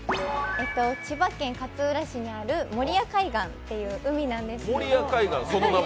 千葉県勝浦市にある守谷海岸っていう海なんですけど。